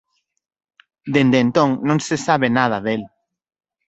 Dende entón non se sabe nada del.